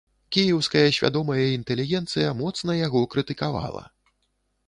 Кіеўская свядомая інтэлігенцыя моцна яго крытыкавала.